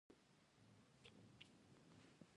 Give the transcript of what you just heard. هندوکش د ښځو په ژوند کې دي.